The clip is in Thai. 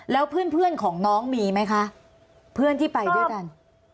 แล้วเพื่อนของน้องมีไหมคะเพื่อนที่ไปด้วยกัน